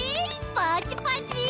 パチパチ！